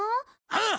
ああ！